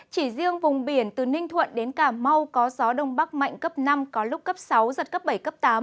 chỉ riêng vùng biển từ ninh thuận đến cà mau có gió đông bắc mạnh cấp năm có lúc cấp sáu giật cấp bảy cấp tám